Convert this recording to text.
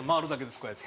こうやって。